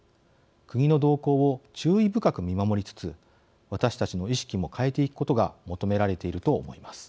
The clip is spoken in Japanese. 国の動向を注意深く見守りつつ私たちの意識も変えていくことが求められていると思います。